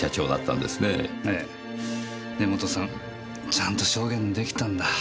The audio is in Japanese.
ええ根元さんちゃんと証言出来たんだ。